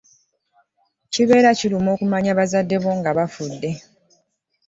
Kibeera kiruma okumanya bazadde bo nga bafudde.